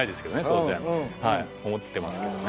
当然はい思ってますけどね。